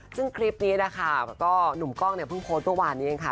ซึ่งคลิปนี้นะคะก็หนุ่มกล้องเนี่ยเพิ่งโพสต์เมื่อวานนี้เองค่ะ